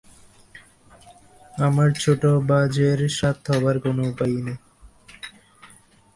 আমার ছোটো ভাজের সাধ হবার কোনো উপায়ই নেই।